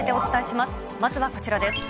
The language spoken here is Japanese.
まずはこちらです。